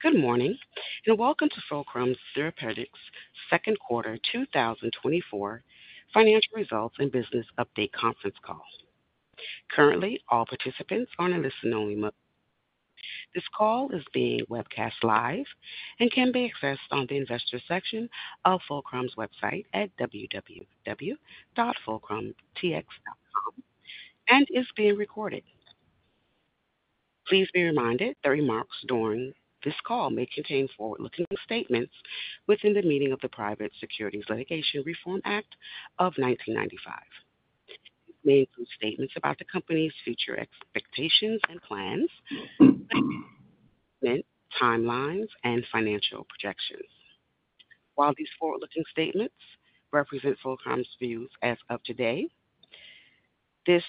Good morning and welcome to Fulcrum Therapeutics' second quarter 2024 financial results and business update conference call. Currently, all participants are on a listen-only mode. This call is being webcast live and can be accessed on the investor section of Fulcrum's website at www.fulcrumtx.com and is being recorded. Please be reminded that remarks during this call may contain forward-looking statements within the meaning of the Private Securities Litigation Reform Act of 1995. These may include statements about the company's future expectations and plans, timelines, and financial projections. While these forward-looking statements represent Fulcrum's views as of today, this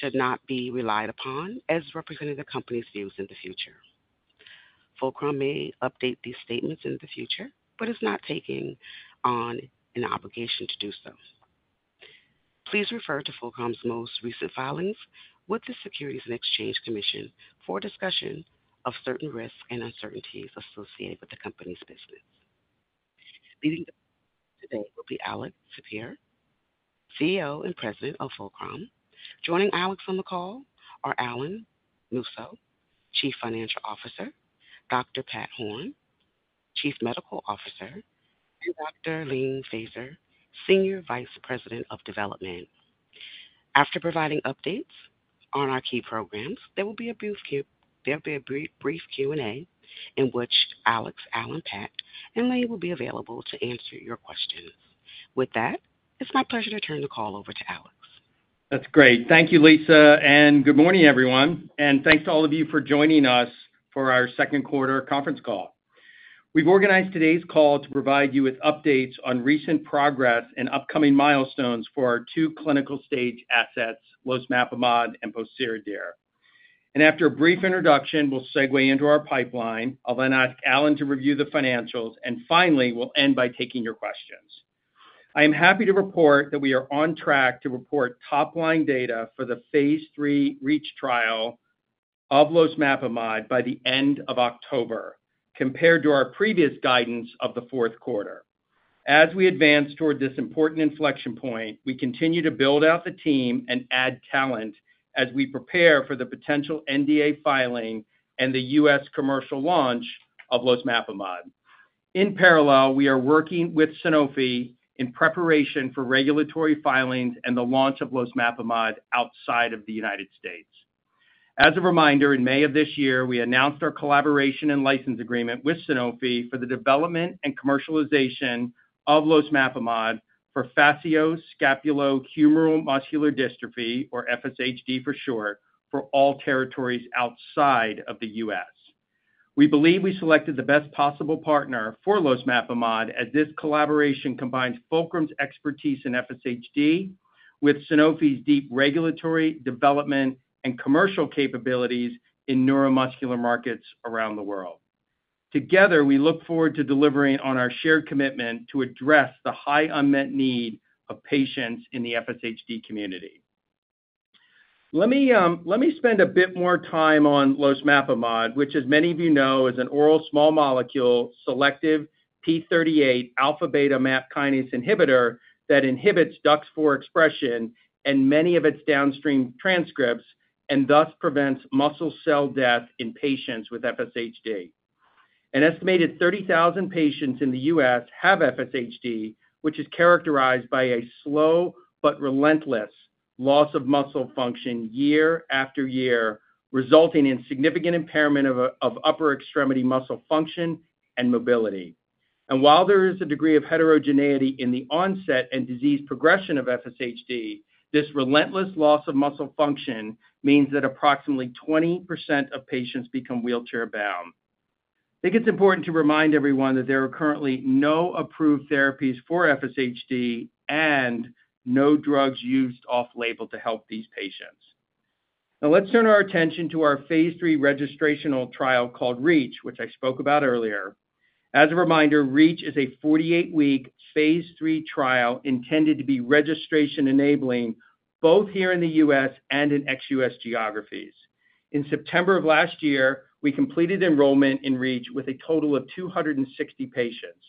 should not be relied upon as representing the company's views in the future. Fulcrum may update these statements in the future, but is not taking on an obligation to do so. Please refer to Fulcrum's most recent filings with the Securities and Exchange Commission for discussion of certain risks and uncertainties associated with the company's business. Leading the call today will be Alex Sapir, CEO and President of Fulcrum. Joining Alex on the call are Alan Musso, Chief Financial Officer, Dr. Pat Horn, Chief Medical Officer, and Dr. Iain Fraser, Senior Vice President of Development. After providing updates on our key programs, there will be a brief Q&A in which Alex, Alan, Pat, and Lane will be available to answer your questions. With that, it's my pleasure to turn the call over to Alex. That's great. Thank you, Lisa. Good morning, everyone. Thanks to all of you for joining us for our second quarter conference call. We've organized today's call to provide you with updates on recent progress and upcoming milestones for our two clinical stage assets, losmapimod and pociredir. After a brief introduction, we'll segue into our pipeline. I'll then ask Alan to review the financials. Finally, we'll end by taking your questions. I am happy to report that we are on track to report top-line data for the phase III REACH trial of losmapimod by the end of October, compared to our previous guidance of the fourth quarter. As we advance toward this important inflection point, we continue to build out the team and add talent as we prepare for the potential NDA filing and the U.S. commercial launch of losmapimod. In parallel, we are working with Sanofi in preparation for regulatory filings and the launch of losmapimod outside of the United States. As a reminder, in May of this year, we announced our collaboration and license agreement with Sanofi for the development and commercialization of losmapimod for fascioscapulohumeral muscular dystrophy, or FSHD for short, for all territories outside of the U.S. We believe we selected the best possible partner for losmapimod, as this collaboration combines Fulcrum's expertise in FSHD with Sanofi's deep regulatory, development, and commercial capabilities in neuromuscular markets around the world. Together, we look forward to delivering on our shared commitment to address the high unmet need of patients in the FSHD community. Let me spend a bit more time on losmapimod, which, as many of you know, is an oral small molecule selective p38 alpha-beta MAP kinase inhibitor that inhibits DUX4 expression and many of its downstream transcripts and thus prevents muscle cell death in patients with FSHD. An estimated 30,000 patients in the U.S. have FSHD, which is characterized by a slow but relentless loss of muscle function year after year, resulting in significant impairment of upper extremity muscle function and mobility. And while there is a degree of heterogeneity in the onset and disease progression of FSHD, this relentless loss of muscle function means that approximately 20% of patients become wheelchair-bound. I think it's important to remind everyone that there are currently no approved therapies for FSHD and no drugs used off-label to help these patients. Now, let's turn our attention to our phase III registrational trial called REACH, which I spoke about earlier. As a reminder, REACH is a 48-week phase III trial intended to be registration-enabling both here in the U.S. and in ex-U.S. geographies. In September of last year, we completed enrollment in REACH with a total of 260 patients.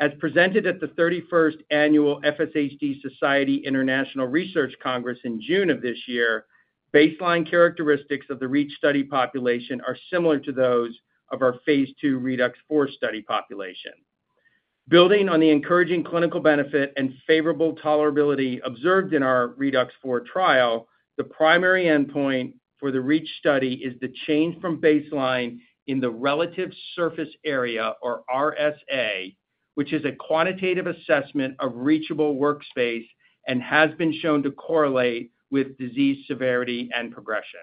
As presented at the 31st Annual FSHD Society International Research Congress in June of this year, baseline characteristics of the REACH study population are similar to those of our phase II ReDUX4 study population. Building on the encouraging clinical benefit and favorable tolerability observed in our ReDUX4 trial, the primary endpoint for the REACH study is the change from baseline in the Relative Surface Area, or RSA, which is a quantitative assessment of reachable workspace and has been shown to correlate with disease severity and progression.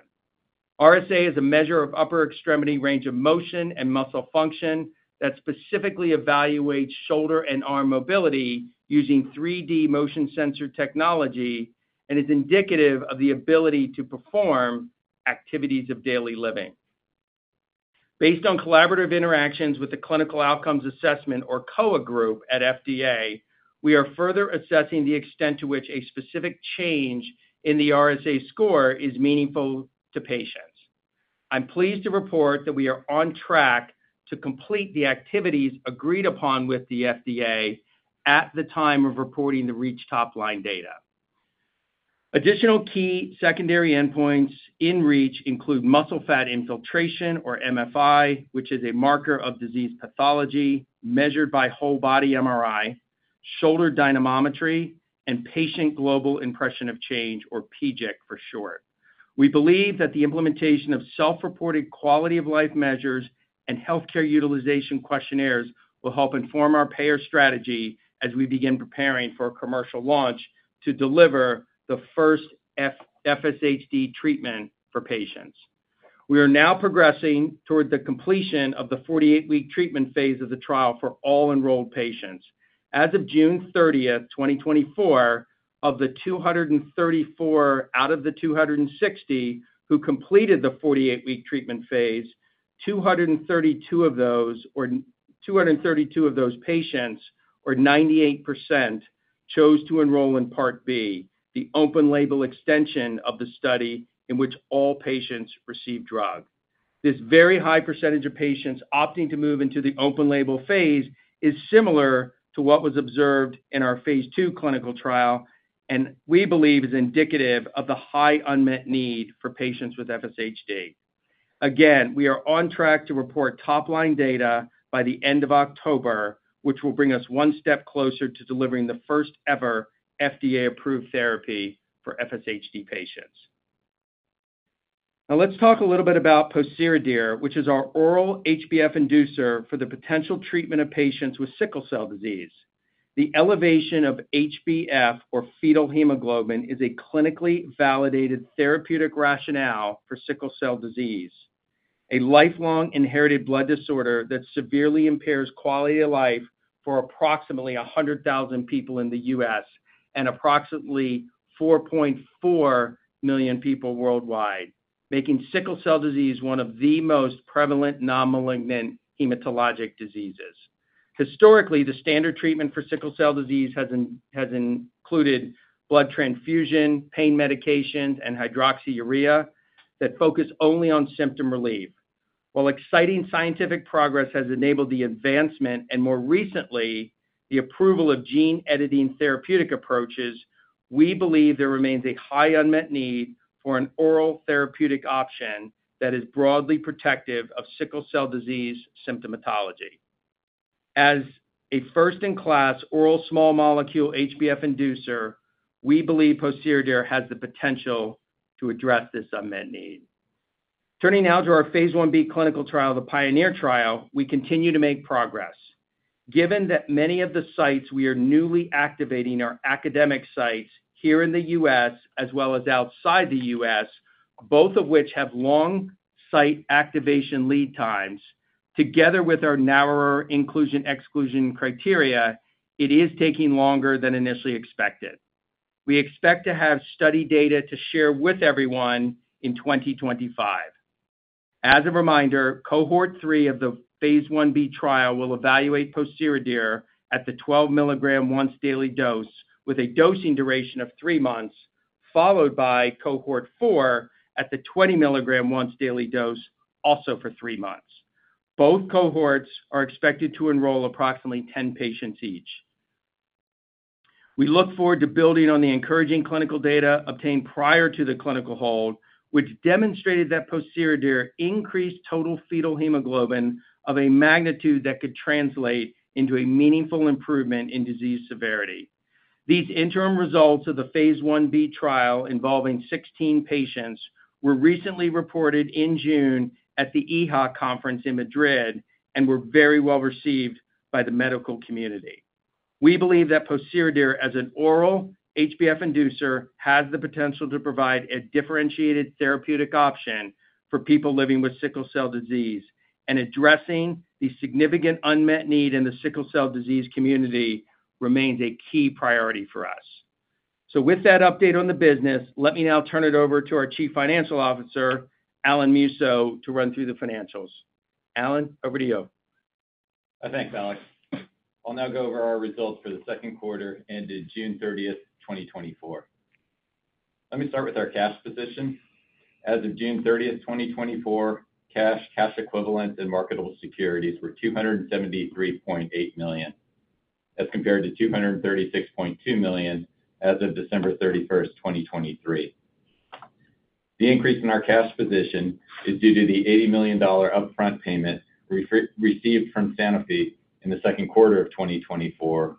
RSA is a measure of upper extremity range of motion and muscle function that specifically evaluates shoulder and arm mobility using 3D motion sensor technology and is indicative of the ability to perform activities of daily living. Based on collaborative interactions with the Clinical Outcomes Assessment, or COA group, at FDA, we are further assessing the extent to which a specific change in the RSA score is meaningful to patients. I'm pleased to report that we are on track to complete the activities agreed upon with the FDA at the time of reporting the REACH top-line data. Additional key secondary endpoints in REACH include muscle fat infiltration, or MFI, which is a marker of disease pathology measured by whole body MRI, shoulder dynamometry, and patient global impression of change, or PGIC for short. We believe that the implementation of self-reported quality of life measures and healthcare utilization questionnaires will help inform our payer strategy as we begin preparing for a commercial launch to deliver the first FSHD treatment for patients. We are now progressing toward the completion of the 48-week treatment phase of the trial for all enrolled patients. As of June 30th, 2024, of the 234 out of the 260 who completed the 48-week treatment phase, 232 of those patients, or 98%, chose to enroll in Part B, the open-label extension of the study in which all patients receive drug. This very high percentage of patients opting to move into the open-label phase is similar to what was observed in our Phase II clinical trial and we believe is indicative of the high unmet need for patients with FSHD. Again, we are on track to report top-line data by the end of October, which will bring us one step closer to delivering the first-ever FDA-approved therapy for FSHD patients. Now, let's talk a little bit about pociredir, which is our oral HbF inducer for the potential treatment of patients with sickle cell disease. The elevation of HbF, or fetal hemoglobin, is a clinically validated therapeutic rationale for sickle cell disease, a lifelong inherited blood disorder that severely impairs quality of life for approximately 100,000 people in the U.S. and approximately 4.4 million people worldwide, making sickle cell disease one of the most prevalent non-malignant hematologic diseases. Historically, the standard treatment for sickle cell disease has included blood transfusion, pain medications, and hydroxyurea that focus only on symptom relief. While exciting scientific progress has enabled the advancement and more recently the approval of gene-editing therapeutic approaches, we believe there remains a high unmet need for an oral therapeutic option that is broadly protective of sickle cell disease symptomatology. As a first-in-class oral small molecule HbF inducer, we believe pociredir has the potential to address this unmet need. Turning now to our Phase I-B clinical trial, the Pioneer trial, we continue to make progress. Given that many of the sites we are newly activating are academic sites here in the U.S. as well as outside the U.S., both of which have long site activation lead times, together with our narrower inclusion-exclusion criteria, it is taking longer than initially expected. We expect to have study data to share with everyone in 2025. As a reminder, cohort three of the phase I-B trial will evaluate pociredir at the 12 mg once-daily dose with a dosing duration of three months, followed by cohort four at the 20 mg once-daily dose, also for three months. Both cohorts are expected to enroll approximately 10 patients each. We look forward to building on the encouraging clinical data obtained prior to the clinical hold, which demonstrated that pociredir increased total fetal hemoglobin of a magnitude that could translate into a meaningful improvement in disease severity. These interim results of the phase I-B trial involving 16 patients were recently reported in June at the EHA conference in Madrid and were very well received by the medical community. We believe that pociredir as an oral HbF inducer has the potential to provide a differentiated therapeutic option for people living with sickle cell disease, and addressing the significant unmet need in the sickle cell disease community remains a key priority for us. So with that update on the business, let me now turn it over to our Chief Financial Officer, Alan Musso, to run through the financials. Alan, over to you. Thanks, Alex. I'll now go over our results for the second quarter ended June 30th, 2024. Let me start with our cash position. As of June 30th, 2024, cash, cash equivalent, and marketable securities were $273.8 million, as compared to $236.2 million as of December 31st, 2023. The increase in our cash position is due to the $80 million upfront payment received from Sanofi in the second quarter of 2024,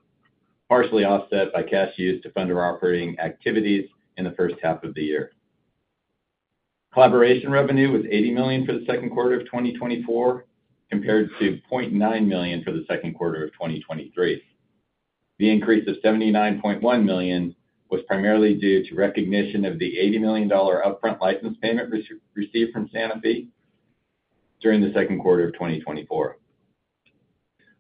partially offset by cash used to fund our operating activities in the first half of the year. Collaboration revenue was $80 million for the second quarter of 2024, compared to $0.9 million for the second quarter of 2023. The increase of $79.1 million was primarily due to recognition of the $80 million upfront license payment received from Sanofi during the second quarter of 2024.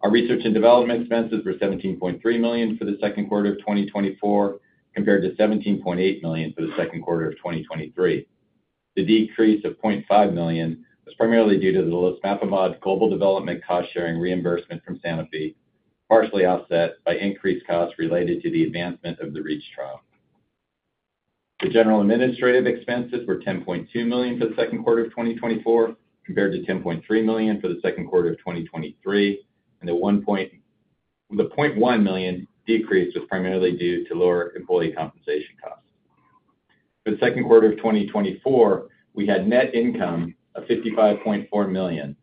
Our research and development expenses were $17.3 million for the second quarter of 2024, compared to $17.8 million for the second quarter of 2023. The decrease of $0.5 million was primarily due to the losmapimod global development cost sharing reimbursement from Sanofi, partially offset by increased costs related to the advancement of the REACH trial. The general administrative expenses were $10.2 million for the second quarter of 2024, compared to $10.3 million for the second quarter of 2023. The $0.1 million decrease was primarily due to lower employee compensation costs. For the second quarter of 2024, we had net income of $55.4 million,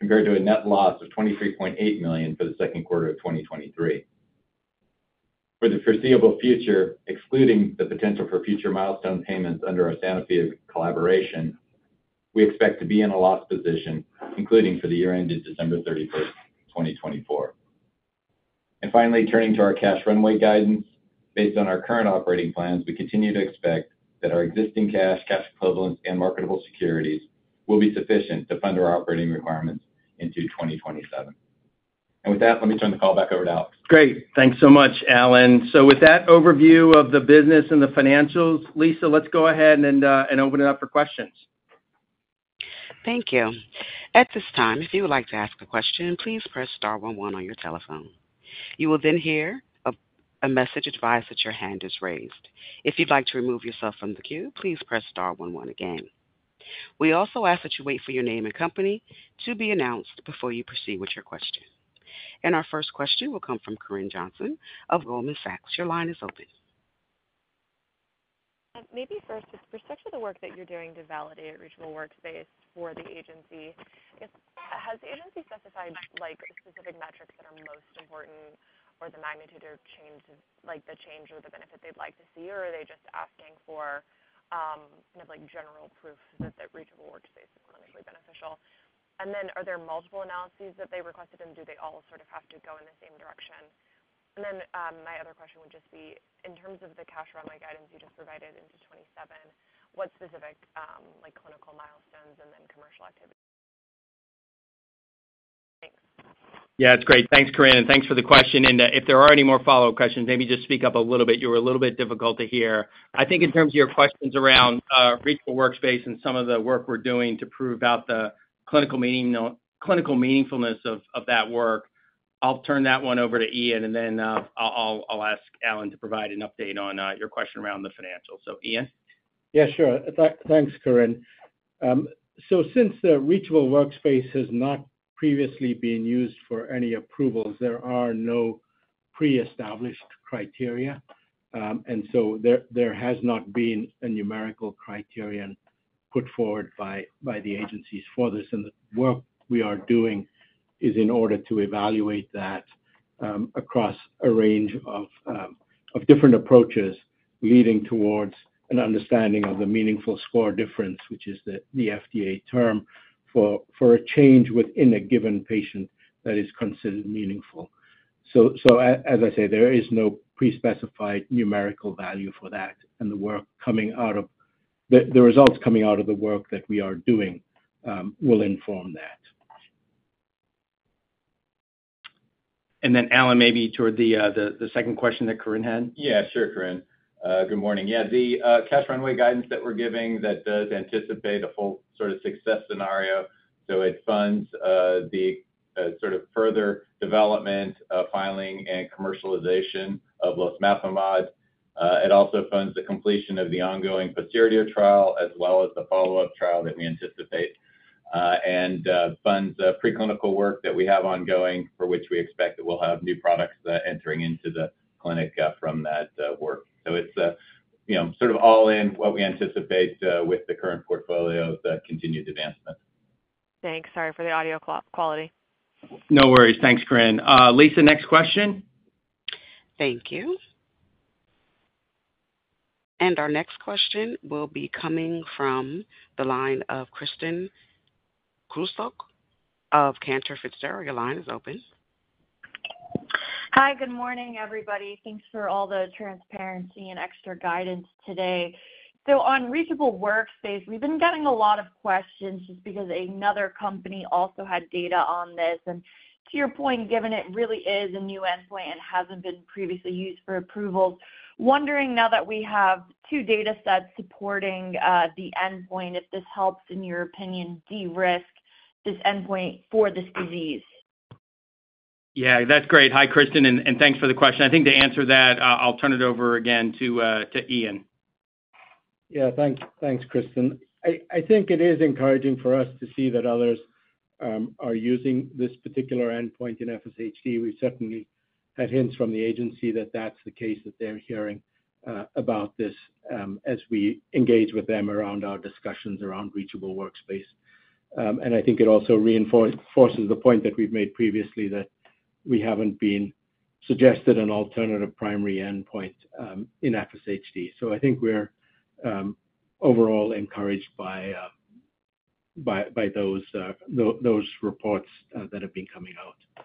compared to a net loss of $23.8 million for the second quarter of 2023. For the foreseeable future, excluding the potential for future milestone payments under our Sanofi collaboration, we expect to be in a loss position, including for the year ended December 31th, 2024. And finally, turning to our cash runway guidance, based on our current operating plans, we continue to expect that our existing cash, cash equivalents, and marketable securities will be sufficient to fund our operating requirements into 2027. And with that, let me turn the call back over to Alex. Great. Thanks so much, Alan. So with that overview of the business and the financials, Lisa, let's go ahead and open it up for questions. Thank you. At this time, if you would like to ask a question, please press star one one on your telephone. You will then hear a message advise that your hand is raised. If you'd like to remove yourself from the queue, please press star one one again. We also ask that you wait for your name and company to be announced before you proceed with your question. Our first question will come from Corinne Jenkins of Goldman Sachs. Your line is open. Maybe first, with respect to the work that you're doing to validate a reachable workspace for the agency, has the agency specified specific metrics that are most important or the magnitude of change, like the change or the benefit they'd like to see, or are they just asking for kind of general proof that the reachable workspace is clinically beneficial? And then are there multiple analyses that they requested, and do they all sort of have to go in the same direction? And then my other question would just be, in terms of the cash runway guidance you just provided into 2027, what specific clinical milestones and then commercial activity? Thanks. Yeah, that's great. Thanks, Corinne. Thanks for the question. If there are any more follow-up questions, maybe just speak up a little bit. You were a little bit difficult to hear. I think in terms of your questions around Reachable Workspace and some of the work we're doing to prove out the clinical meaningfulness of that work, I'll turn that one over to Iain, and then I'll ask Alan to provide an update on your question around the financials. So Iain. Yeah, sure. Thanks, Corinne. So since the reachable workspace has not previously been used for any approvals, there are no pre-established criteria. And so there has not been a numerical criterion put forward by the agencies for this. And the work we are doing is in order to evaluate that across a range of different approaches leading towards an understanding of the meaningful score difference, which is the FDA term, for a change within a given patient that is considered meaningful. So as I say, there is no pre-specified numerical value for that. And the results coming out of the work that we are doing will inform that. Alan, maybe toward the second question that Corinne had. Yeah, sure, Corinne. Good morning. Yeah, the cash runway guidance that we're giving that does anticipate a full sort of success scenario. So it funds the sort of further development, filing, and commercialization of losmapimod. It also funds the completion of the ongoing pociredir trial as well as the follow-up trial that we anticipate and funds preclinical work that we have ongoing for which we expect that we'll have new products entering into the clinic from that work. So it's sort of all in what we anticipate with the current portfolio of continued advancement. Thanks. Sorry for the audio quality. No worries. Thanks, Corinne. Lisa, next question. Thank you. And our next question will be coming from the line of Kristen Kluska of Cantor Fitzgerald. Your line is open. Hi, good morning, everybody. Thanks for all the transparency and extra guidance today. So on Reachable Workspace, we've been getting a lot of questions just because another company also had data on this. And to your point, given it really is a new endpoint and hasn't been previously used for approvals, wondering now that we have two data sets supporting the endpoint, if this helps, in your opinion, de-risk this endpoint for this disease? Yeah, that's great. Hi, Kristen, and thanks for the question. I think to answer that, I'll turn it over again to Iain. Yeah, thanks, Kristen. I think it is encouraging for us to see that others are using this particular endpoint in FSHD. We've certainly had hints from the agency that that's the case that they're hearing about this as we engage with them around our discussions around Reachable Workspace. I think it also reinforces the point that we've made previously that we haven't been suggested an alternative primary endpoint in FSHD. I think we're overall encouraged by those reports that have been coming out.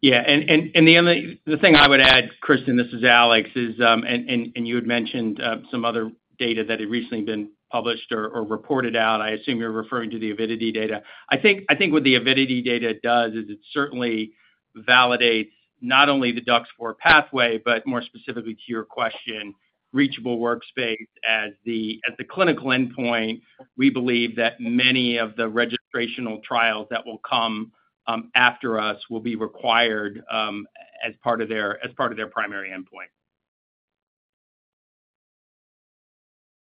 Yeah. And the thing I would add, Kristen, this is Alex, and you had mentioned some other data that had recently been published or reported out. I assume you're referring to the Avidity data. I think what the Avidity data does is it certainly validates not only the DUX4 pathway, but more specifically to your question, Reachable Workspace as the clinical endpoint. We believe that many of the registrational trials that will come after us will be required as part of their primary endpoint.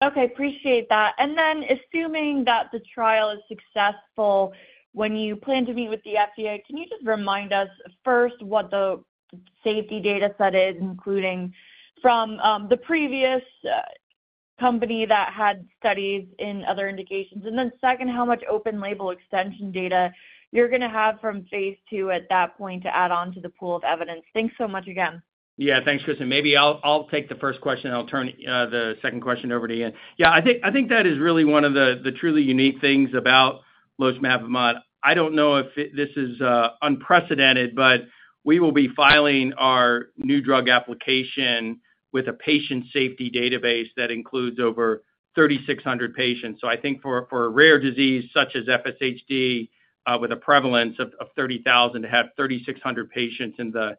Okay. Appreciate that. And then assuming that the trial is successful, when you plan to meet with the FDA, can you just remind us first what the safety data set is, including from the previous company that had studies in other indications? And then second, how much open label extension data you're going to have from phase II at that point to add on to the pool of evidence? Thanks so much again. Yeah, thanks, Kristen. Maybe I'll take the first question and I'll turn the second question over to Iain. Yeah, I think that is really one of the truly unique things about losmapimod. I don't know if this is unprecedented, but we will be filing our new drug application with a patient safety database that includes over 3,600 patients. So I think for a rare disease such as FSHD with a prevalence of 30,000 to have 3,600 patients in the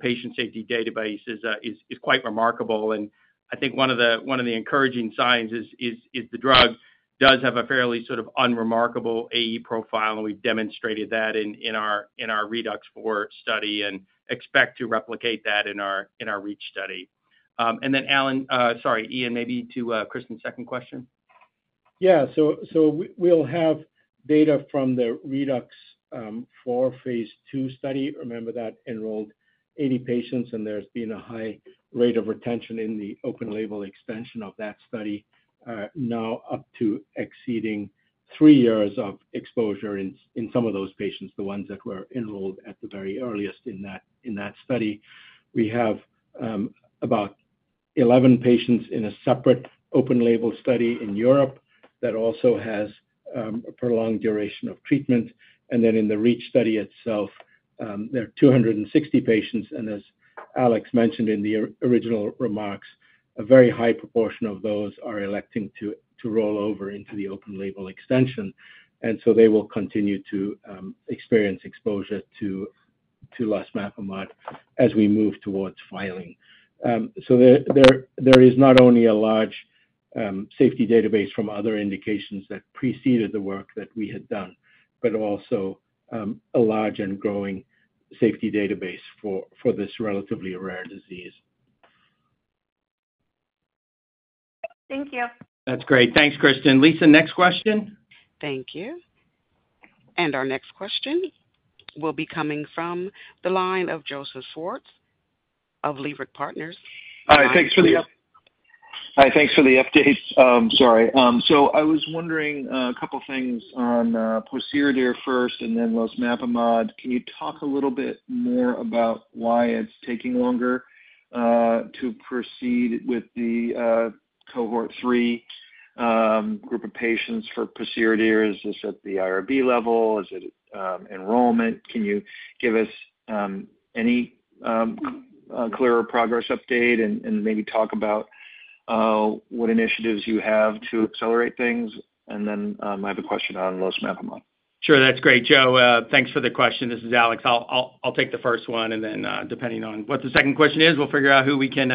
patient safety database is quite remarkable. And I think one of the encouraging signs is the drug does have a fairly sort of unremarkable AE profile, and we've demonstrated that in our ReDUX4 study and expect to replicate that in our REACH study. And then Alan, sorry, Iain, maybe to Kristen's second question. Yeah. So we'll have data from the ReDUX4 phase II study. Remember that enrolled 80 patients, and there's been a high rate of retention in the open label extension of that study, now up to exceeding three years of exposure in some of those patients, the ones that were enrolled at the very earliest in that study. We have about 11 patients in a separate open label study in Europe that also has a prolonged duration of treatment. And then in the REACH study itself, there are 260 patients. And as Alex mentioned in the original remarks, a very high proportion of those are electing to roll over into the open label extension. And so they will continue to experience exposure to losmapimod as we move towards filing. There is not only a large safety database from other indications that preceded the work that we had done, but also a large and growing safety database for this relatively rare disease. Thank you. That's great. Thanks, Kristen. Lisa, next question. Thank you. Our next question will be coming from the line of Joseph Schwartz of Leerink Partners. Hi, thanks for the update. Sorry. So I was wondering a couple of things on pociredir first and then losmapimod. Can you talk a little bit more about why it's taking longer to proceed with the cohort three group of patients for pociredir? Is this at the IRB level? Is it enrollment? Can you give us any clearer progress update and maybe talk about what initiatives you have to accelerate things? And then I have a question on losmapimod. Sure. That's great, Joe. Thanks for the question. This is Alex. I'll take the first one. And then depending on what the second question is, we'll figure out who we can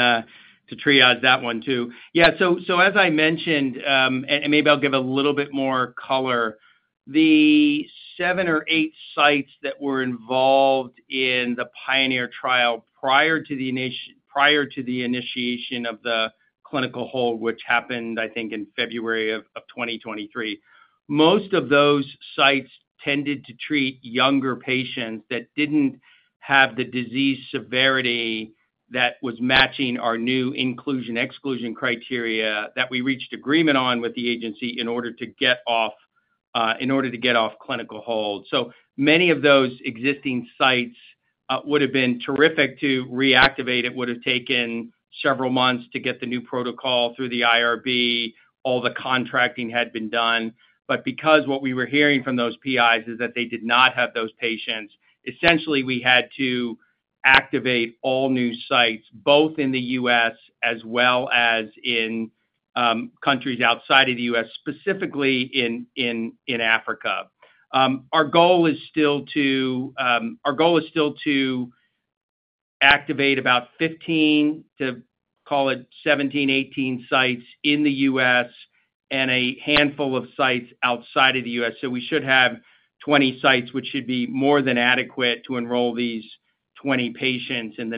to triage that one too. Yeah. So as I mentioned, and maybe I'll give a little bit more color, the seven or eight sites that were involved in the PIONEER trial prior to the initiation of the clinical hold, which happened, I think, in February of 2023, most of those sites tended to treat younger patients that didn't have the disease severity that was matching our new inclusion-exclusion criteria that we reached agreement on with the agency in order to get off in order to get off clinical hold. So many of those existing sites would have been terrific to reactivate. It would have taken several months to get the new protocol through the IRB. All the contracting had been done. But because what we were hearing from those PIs is that they did not have those patients, essentially we had to activate all new sites, both in the U.S. as well as in countries outside of the U.S., specifically in Africa. Our goal is still to activate about 15 to call it 17, 18 sites in the U.S. and a handful of sites outside of the U.S. So we should have 20 sites, which should be more than adequate to enroll these 20 patients in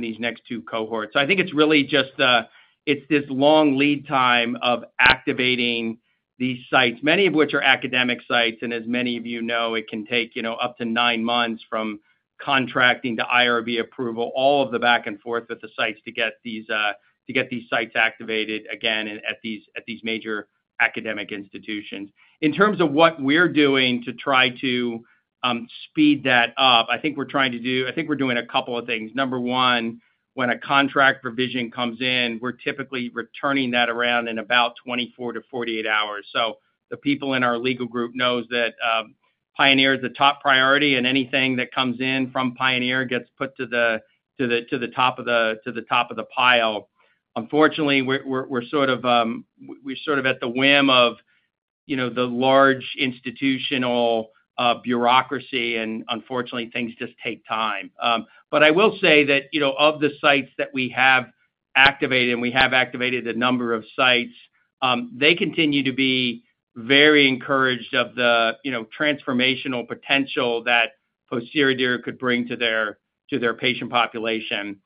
these next two cohorts. So I think it's really just this long lead time of activating these sites, many of which are academic sites. As many of you know, it can take up to nine months from contracting to IRB approval, all of the back and forth with the sites to get these sites activated again at these major academic institutions. In terms of what we're doing to try to speed that up, I think we're doing a couple of things. Number one, when a contract provision comes in, we're typically returning that around in about 24hours-48 hours. So the people in our legal group know that Pioneer is the top priority, and anything that comes in from Pioneer gets put to the top of the pile. Unfortunately, we're sort of at the whim of the large institutional bureaucracy, and unfortunately, things just take time. But I will say that of the sites that we have activated, and we have activated a number of sites, they continue to be very encouraged of the transformational potential that pociredir could bring to their patient population.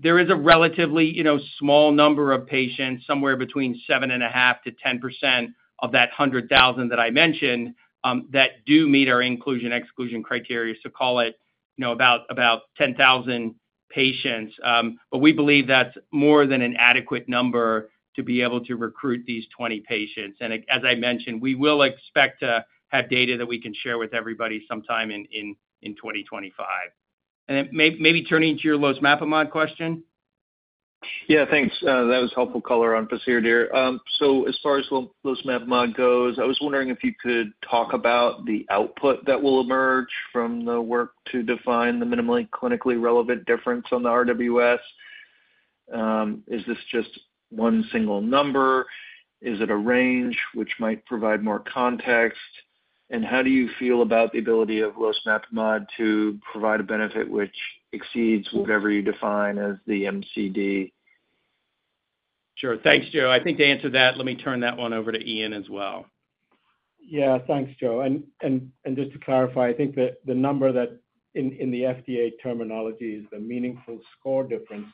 There is a relatively small number of patients, somewhere between 7.5%-10% of that 100,000 that I mentioned that do meet our inclusion-exclusion criteria, so call it about 10,000 patients. But we believe that's more than an adequate number to be able to recruit these 20 patients. And as I mentioned, we will expect to have data that we can share with everybody sometime in 2025. And maybe turning to your losmapimod question. Yeah, thanks. That was helpful color on pociredir. So as far as losmapimod goes, I was wondering if you could talk about the output that will emerge from the work to define the minimally clinically relevant difference on the RWS. Is this just one single number? Is it a range which might provide more context? And how do you feel about the ability of losmapimod to provide a benefit which exceeds whatever you define as the MCD? Sure. Thanks, Joe. I think to answer that, let me turn that one over to Iain as well. Yeah, thanks, Joe. And just to clarify, I think that the number that in the FDA terminology is the meaningful score difference.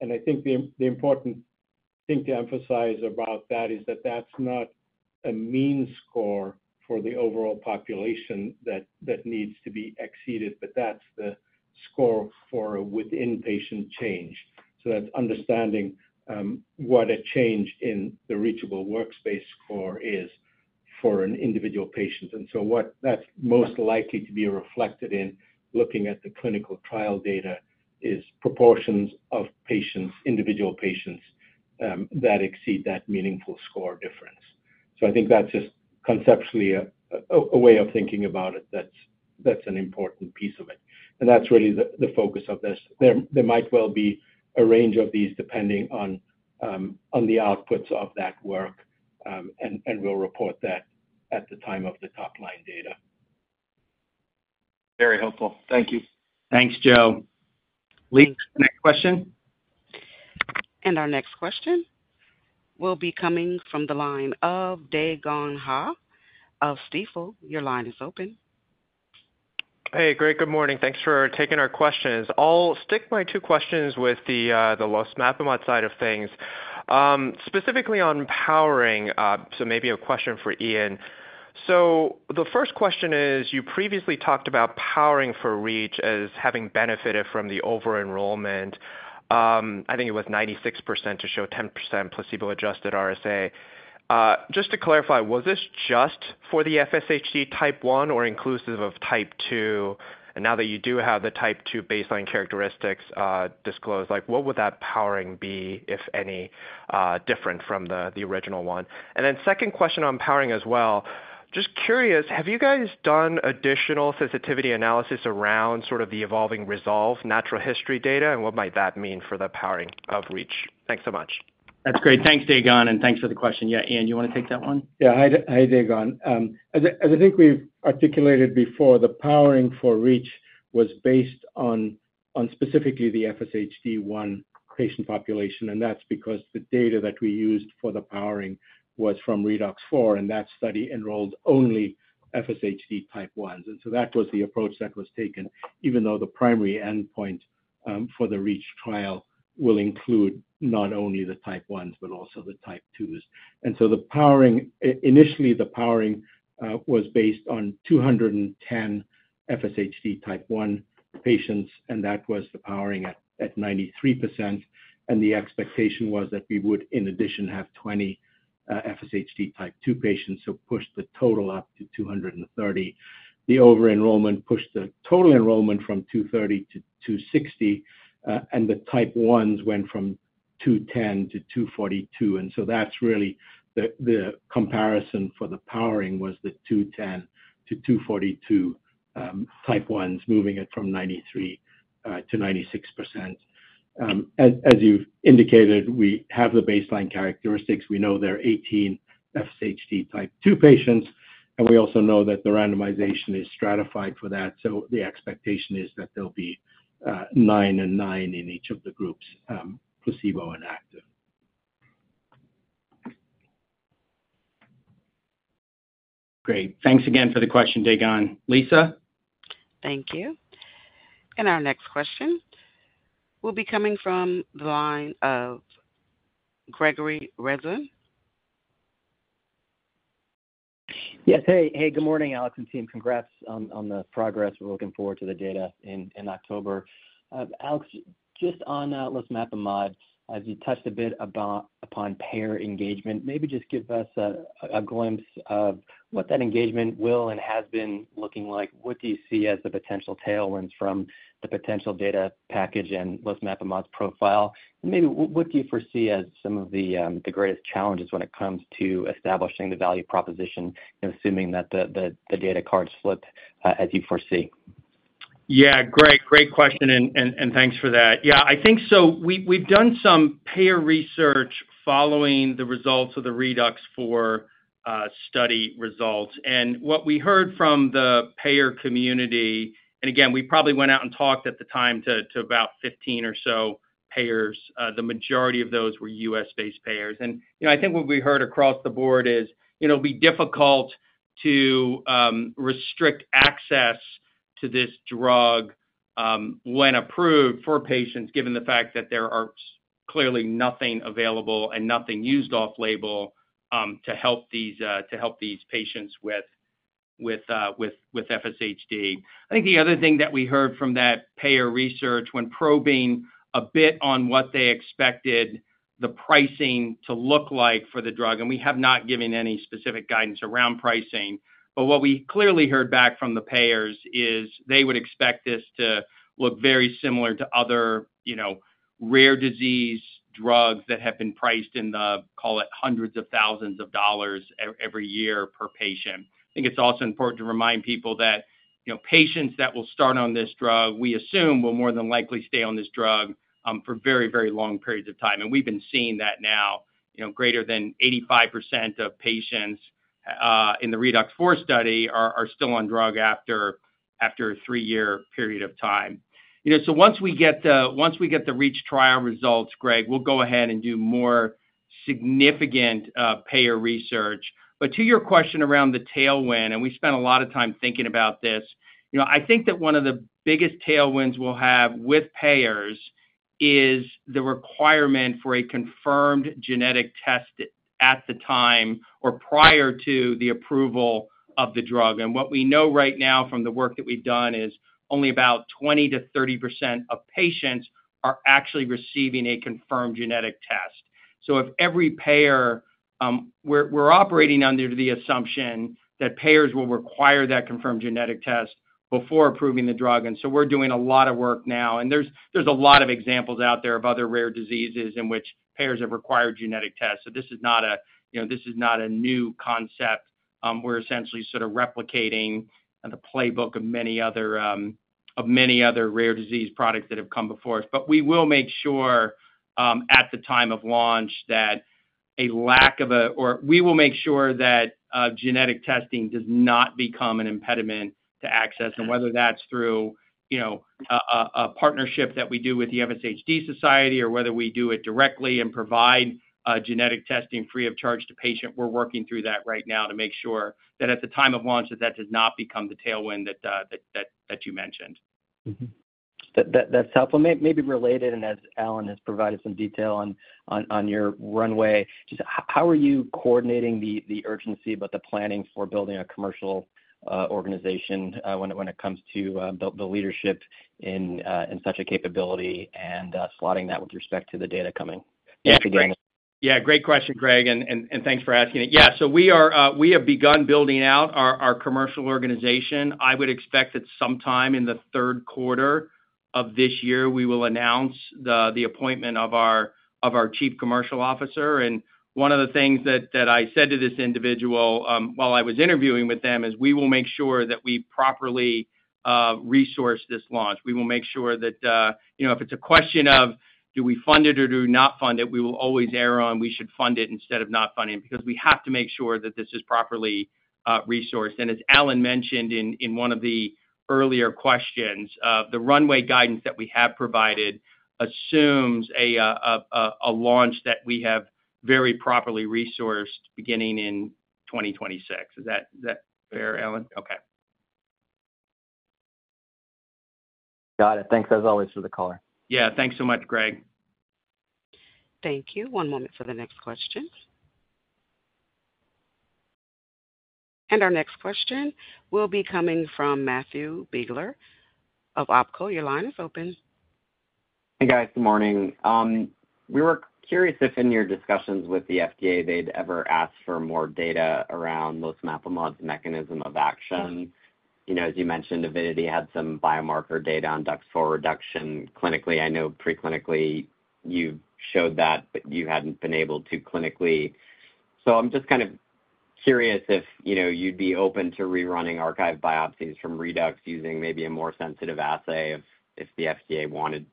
And I think the important thing to emphasize about that is that that's not a mean score for the overall population that needs to be exceeded, but that's the score for within patient change. So that's understanding what a change in the reachable workspace score is for an individual patient. And so what that's most likely to be reflected in looking at the clinical trial data is proportions of individual patients that exceed that meaningful score difference. So I think that's just conceptually a way of thinking about it that's an important piece of it. And that's really the focus of this. There might well be a range of these depending on the outputs of that work, and we'll report that at the time of the top-line data. Very helpful. Thank you. Thanks, Joe. Lisa, next question. Our next question will be coming from the line of Dae Gon Ha of Stifel. Your line is open. Hey, great. Good morning. Thanks for taking our questions. I'll stick my two questions with the losmapimod side of things. Specifically on powering, so maybe a question for Iaiiin. So the first question is you previously talked about powering for REACH as having benefited from the over-enrollment. I think it was 96% to show 10% placebo-adjusted RSA. Just to clarify, was this just for the FSHD type 1 are inclusive of type 2? And now that you do have the type 2 baseline characteristics disclosed, what would that powering be, if any, different from the original one? And then second question on powering as well. Just curious, have you guys done additional sensitivity analysis around sort of the evolving ReSolve natural history data? And what might that mean for the powering of REACH? Thanks so much. That's great. Thanks, Dae Gon, and thanks for the question. Yeah, Iain, you want to take that one? Yeah. Hi, Dae Gon. As I think we've articulated before, the powering for REACH was based on specifically the FSHD type one patient population. And that's because the data that we used for the powering was from ReDUX4, and that study enrolled only FSHD type ones. And so that was the approach that was taken, even though the primary endpoint for the REACH trial will include not only the type 1s, but also the type 2s. And so initially, the powering was based on 210 FSHD type 1 patients, and that was the powering at 93%. And the expectation was that we would, in addition, have 20 FSHD type 2 patients, so pushed the total up to 230. The over-enrollment pushed the total enrollment from 230 to 260, and the type 1s went from 210 to 242. That's really the comparison for the powering was the 210-242 type 1s, moving it from 93%-96%. As you've indicated, we have the baseline characteristics. We know there are 18 FSHD type 2 patients, and we also know that the randomization is stratified for that. The expectation is that there'll be nine and nine in each of the groups, placebo and active. Great. Thanks again for the question, Dae Gon. Lisa. Thank you. Our next question will be coming from the line of Gregory Renza. Yes. Hey, good morning, Alex and team. Congrats on the progress. We're looking forward to the data in October. Alex, just on losmapimod, as you touched a bit upon payer engagement, maybe just give us a glimpse of what that engagement will and has been looking like. What do you see as the potential tailwinds from the potential data package and losmapimod's profile? And maybe what do you foresee as some of the greatest challenges when it comes to establishing the value proposition, assuming that the data cards flip as you foresee? Yeah. Great. Great question, and thanks for that. Yeah, I think so. We've done some payer research following the results of the ReDUX4 study results. And what we heard from the payer community, and again, we probably went out and talked at the time to about 15 or so payers. The majority of those were U.S.-based payers. And I think what we heard across the board is it'll be difficult to restrict access to this drug when approved for patients, given the fact that there is clearly nothing available and nothing used off-label to help these patients with FSHD. I think the other thing that we heard from that payer research, when probing a bit on what they expected the pricing to look like for the drug, and we have not given any specific guidance around pricing, but what we clearly heard back from the payers is they would expect this to look very similar to other rare disease drugs that have been priced in the, call it, hundreds of thousands of dollars every year per patient. I think it's also important to remind people that patients that will start on this drug, we assume, will more than likely stay on this drug for very, very long periods of time. We've been seeing that now. Greater than 85% of patients in the ReDUX4 study are still on drug after a three-year period of time. So once we get the REACH trial results, Greg, we'll go ahead and do more significant payer research. But to your question around the tailwind, and we spent a lot of time thinking about this, I think that one of the biggest tailwinds we'll have with payers is the requirement for a confirmed genetic test at the time or prior to the approval of the drug. And what we know right now from the work that we've done is only about 20%-30% of patients are actually receiving a confirmed genetic test. So if every payer we're operating under the assumption that payers will require that confirmed genetic test before approving the drug. And so we're doing a lot of work now. And there's a lot of examples out there of other rare diseases in which payers have required genetic tests. So this is not a new concept. We're essentially sort of replicating the playbook of many other rare disease products that have come before us. But we will make sure at the time of launch that a lack of, or we will make sure that, genetic testing does not become an impediment to access. And whether that's through a partnership that we do with the FSHD Society or whether we do it directly and provide genetic testing free of charge to patients, we're working through that right now to make sure that at the time of launch that that does not become the tailwind that you mentioned. That's helpful. Maybe related, and as Alan has provided some detail on your runway, just how are you coordinating the urgency about the planning for building a commercial organization when it comes to the leadership in such a capability and slotting that with resp ect to the data coming? Yeah, great question, Greg, and thanks for asking it. Yeah, so we have begun building out our commercial organization. I would expect that sometime in the third quarter of this year, we will announce the appointment of our Chief Commercial Officer. And one of the things that I said to this individual while I was interviewing with them is we will make sure that we properly resource this launch. We will make sure that if it's a question of do we fund it or do not fund it, we will always err on we should fund it instead of not funding it because we have to make sure that this is properly resourced. And as Alan mentioned in one of the earlier questions, the runway guidance that we have provided assumes a launch that we have very properly resourced beginning in 2026. Is that fair, Alan? Okay. Got it. Thanks, as always, for the call. Yeah, thanks so much, Greg. Thank you. One moment for the next question. Our next question will be coming from Matthew Biegler of Oppenheimer & Co. Your line is open. Hey, guys. Good morning. We were curious if in your discussions with the FDA they'd ever asked for more data around losmapimod's mechanism of action. As you mentioned, Avidity had some biomarker data on DUX4 reduction. Clinically, I know preclinically you showed that, but you hadn't been able to clinically. So I'm just kind of curious if you'd be open to rerunning archival biopsies from ReDUX4 using maybe a more sensitive assay if the FDA wanted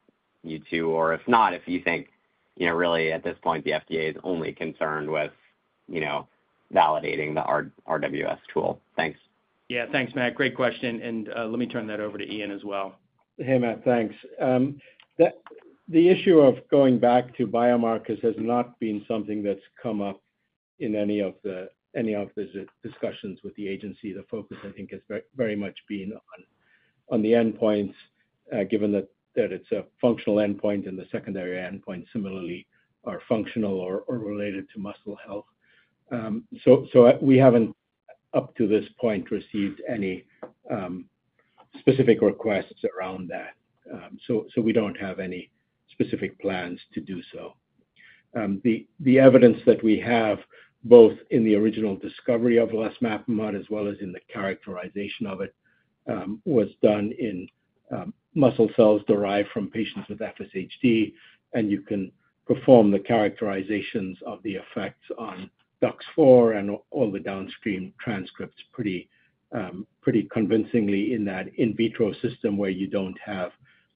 you to, or if not, if you think really at this point the FDA is only concerned with validating the RWS tool. Thanks. Yeah, thanks, Matt. Great question. Let me turn that over to Iain as well. Hey, Matt. Thanks. The issue of going back to biomarkers has not been something that's come up in any of the discussions with the agency. The focus, I think, has very much been on the endpoints, given that it's a functional endpoint and the secondary endpoints similarly are functional or related to muscle health. So we haven't, up to this point, received any specific requests around that. So we don't have any specific plans to do so. The evidence that we have, both in the original discovery of losmapimod as well as in the characterization of it, was done in muscle cells derived from patients with FSHD, and you can perform the characterizations of the effects on DUX4 and all the downstream transcripts pretty convincingly in that in vitro system where you don't have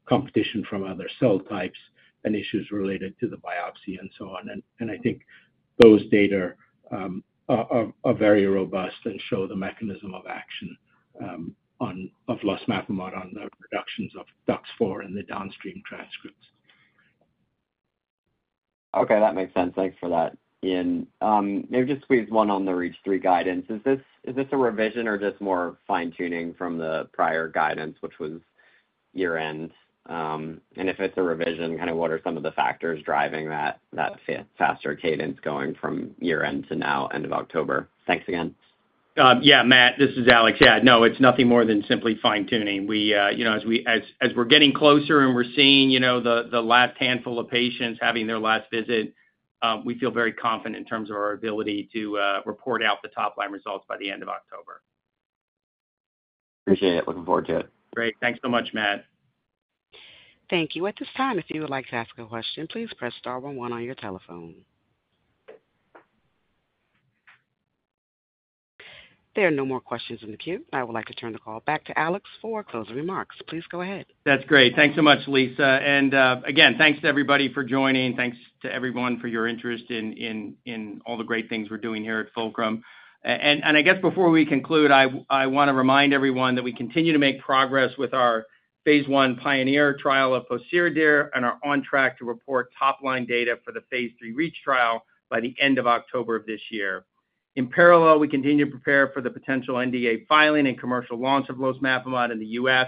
competition from other cell types and issues related to the biopsy and so on. I think those data are very robust and show the mechanism of action of losmapimod on the reductions of DUX4 and the downstream transcripts. Okay, that makes sense. Thanks for that, Iain. Maybe just squeeze one on the REACH 3 guidance. Is this a revision or just more fine-tuning from the prior guidance, which was year-end? And if it's a revision, kind of what are some of the factors driving that faster cadence going from year-end to now, end of October? Thanks again. Yeah, Matt, this is Alex. Yeah, no, it's nothing more than simply fine-tuning. As we're getting closer and we're seeing the last handful of patients having their last visit, we feel very confident in terms of our ability to report out the top-line results by the end of October. Appreciate it. Looking forward to it. Great. Thanks so much, Matt. Thank you. At this time, if you would like to ask a question, please press star one one on your telephone. There are no more questions in the queue. I would like to turn the call back to Alex for closing remarks. Please go ahead. That's great. Thanks so much, Lisa. And again, thanks to everybody for joining. Thanks to everyone for your interest in all the great things we're doing here at Fulcrum. And I guess before we conclude, I want to remind everyone that we continue to make progress with our phase I pioneer trial of pociredir and are on track to report top-line data for the phase III reach trial by the end of October of this year. In parallel, we continue to prepare for the potential NDA filing and commercial launch of losmapimod in the US.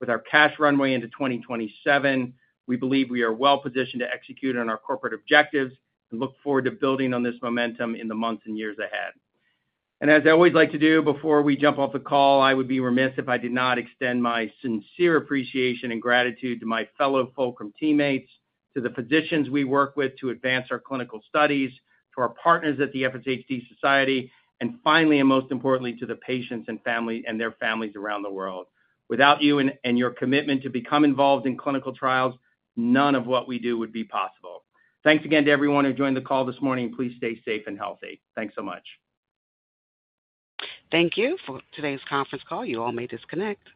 With our cash runway into 2027, we believe we are well-positioned to execute on our corporate objectives and look forward to building on this momentum in the months and years ahead. As I always like to do, before we jump off the call, I would be remiss if I did not extend my sincere appreciation and gratitude to my fellow Fulcrum teammates, to the physicians we work with to advance our clinical studies, to our partners at the FSHD Society, and finally, and most importantly, to the patients and their families around the world. Without you and your commitment to become involved in clinical trials, none of what we do would be possible. Thanks again to everyone who joined the call this morning. Please stay safe and healthy. Thanks so much. Thank you for today's conference call. You all may disconnect.